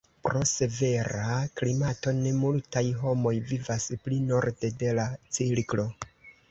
Pro severa klimato ne multaj homoj vivas pli norde de la cirklo.